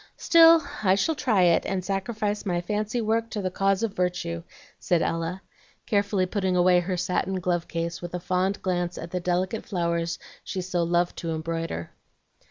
Still I shall try it, and sacrifice my fancy work to the cause of virtue," said Ella, carefully putting away her satin glove case with a fond glance at the delicate flowers she so loved to embroider.